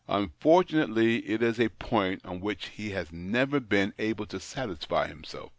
Unfortu nately, it is a point on which he has never been able to satisfy himself.